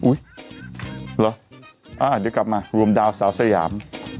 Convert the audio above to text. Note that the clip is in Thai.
เหรอเดี๋ยวกลับมารวมดาวสาวสยาม